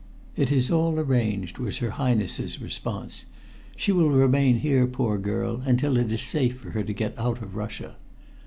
"It is all arranged," was her Highness's response. "She will remain here, poor girl, until it is safe for her to get out of Russia."